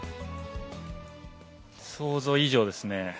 想像以上ですね。